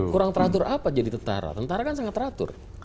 kurang teratur apa jadi tentara tentara kan sangat teratur